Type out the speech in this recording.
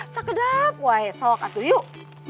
sakedap woy sok atu yuk